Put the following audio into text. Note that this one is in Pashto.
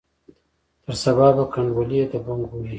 تر سبا به کنډولي د بنګو ویشي